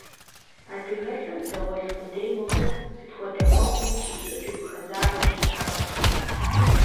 АдыгэлӀыр зауэлӏ къудей мыхъуу, сыт хуэдэ Ӏуэхуми хищӀыкӀыу, хэзагъэу щытащ.